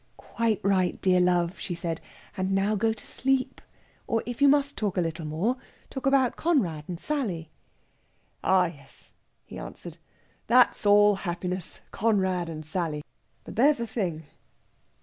"Quite right, dear love," she said; "and now go to sleep. Or if you must talk a little more, talk about Conrad and Sally." "Ah yes!" he answered; "that's all happiness. Conrad and Sally! But there's a thing...."